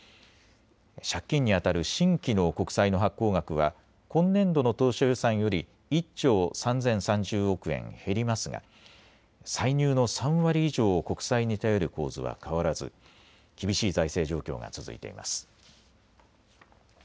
借金にあたる新規の国債の発行額は今年度の当初予算より１兆３０３０億円減りますが歳入の３割以上を国債に頼る構図は変わらず厳しい財政状況が続いています。